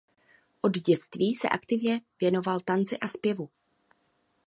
Od dětství se aktivně věnoval tanci a zpěvu.